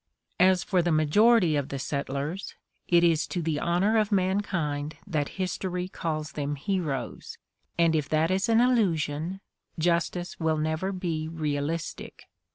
As for the major ity of the settlers, it is to the honor of mankind that history calls them heroes; and if that is an illusion, justice will never be realistic.